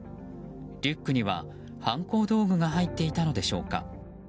リュックには犯行道具が入っていたのでしょうか。